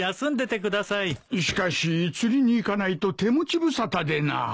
しかし釣りに行かないと手持ち無沙汰でな。